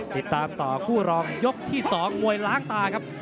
ติดตามต่อคู่รองยกที่๒มวยล้างตาครับ